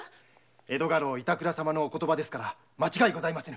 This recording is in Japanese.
江戸家老・板倉様のお言葉ですから間違いございません。